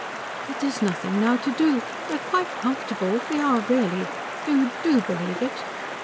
"But there's nothing now to do. We're quite comfortable. We are really. Do, do believe it."